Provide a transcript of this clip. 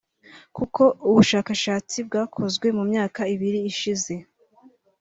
kuko ubushakashatsi bwakozwe mu myaka ibiri ishize